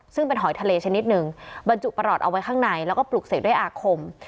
ซึ่งเป็นหอยทะเลชนิดหนึ่งบรรจุประหลอดเอาไว้ข้างในแล้วก็ปลุกเสกด้วยอาคม